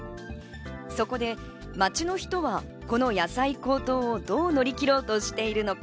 そこで街の人はこの野菜高騰をどう乗り切ろうとしているのか。